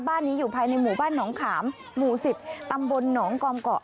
บ้านนี้อยู่ภายในหมู่บ้านหนองขามหมู่๑๐ตำบลหนองกอมเกาะ